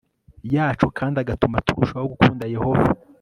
yacu kandi agatuma turushaho gukunda Yehova